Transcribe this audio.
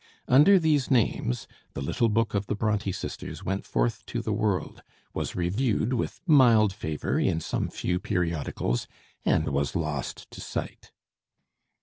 Under these names the little book of the Bronté sisters went forth to the world, was reviewed with mild favor in some few periodicals, and was lost to sight.